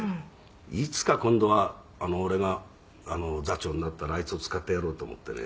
「いつか今度は俺が座長になったらあいつを使ってやろうと思ってね」